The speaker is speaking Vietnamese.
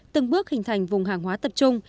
từng bước hình thành vùng hàng hóa tập trung